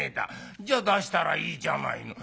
「じゃ出したらいいじゃないの」。